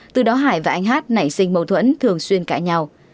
từ đó hải và anh hát nảy sinh mâu thuẫn thường xuyên cãi nhau